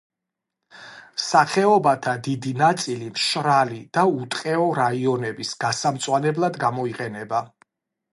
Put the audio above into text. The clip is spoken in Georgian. სახეობათა დიდი ნაწილი მშრალი და უტყეო რაიონების გასამწვანებლად გამოიყენება.